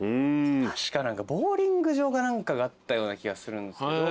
確かボウリング場か何かがあったような気がするんですけど。